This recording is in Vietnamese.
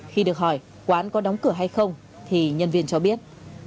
khi được hỏi quán có đóng cửa hay không thì nhân viên cho biết